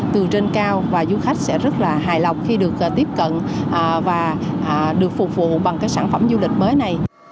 từ trên cao và du khách sẽ rất là hài lòng khi được tiếp cận và được phục vụ bằng cái sản phẩm du lịch mới này